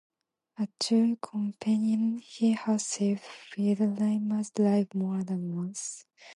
A true companion, he has saved Fidelma's life more than once.